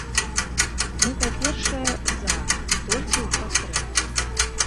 Мы, па-першае, за, толькі ў падтрымку.